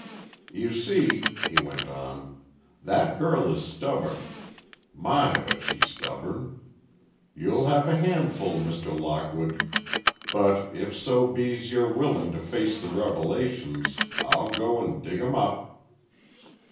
"You see," he went on, "that girl is stubborn—my, but she's stubborn. You'll have a handful, Mr. Lockwood. But if so be's you're willing to face the revelations, I'll go and dig 'em up."